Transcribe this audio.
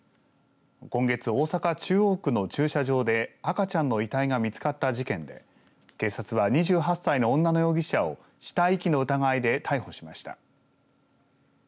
今月、大阪、中央区の駐車場で赤ちゃんの遺体が見つかった事件で警察は２８歳の女の容疑者を死体遺棄の疑いで逮捕しました。